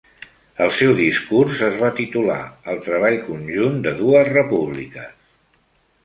El seu discurs es va titular "El treball conjunt de dues repúbliques".